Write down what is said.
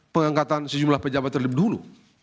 pengangkatan sejumlah pejabat terlebih dulu